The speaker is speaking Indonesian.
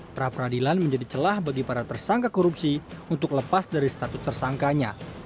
pra peradilan menjadi celah bagi para tersangka korupsi untuk lepas dari status tersangkanya